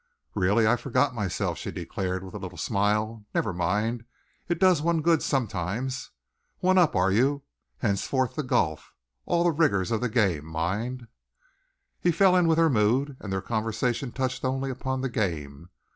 "Really, I forgot myself," she declared, with a little smile. "Never mind, it does one good sometimes. One up, are you? Henceforth, then, golf all the rigour of the game, mind." He fell in with her mood, and their conversation touched only upon the game.